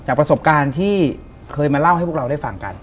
ประสบการณ์ที่เคยมาเล่าให้พวกเราได้ฟังกัน